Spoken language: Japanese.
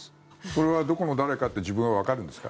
これはどこの誰かって自分はわかるんですか？